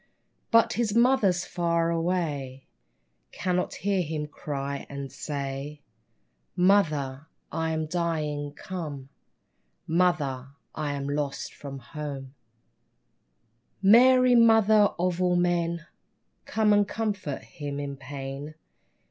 But his mother's far away ; Cannot hear him cry and say : Mother, I am dying, come ! Mother, I am lost from home I 4 FLOWER OF YOUTH Mary, Mother of all men, Come and comfort him in pain.